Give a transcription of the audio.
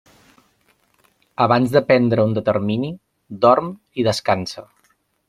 Abans de prendre un determini, dorm i descansa.